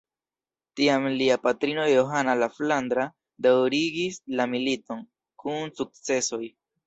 Tiam lia patrino Johana la Flandra daŭrigis la militon, kun sukcesoj.